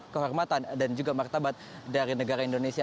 kehormatan dan juga martabat dari negara indonesia